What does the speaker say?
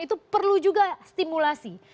itu perlu juga stimulasi